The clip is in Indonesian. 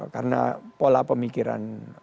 karena pola pemikiran